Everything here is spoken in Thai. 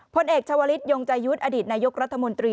พลเอกชาวลิศยงใจยุทธ์อดีตนายกรัฐมนตรี